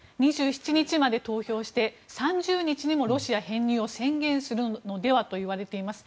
２７日まで投票して３０日にもロシア編入を宣言するのではといわれています。